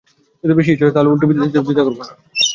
যদি বেশি ইচ্ছা হয়, তাহলে উল্টোবিদ্যা দিতেও দ্বিধা করব না।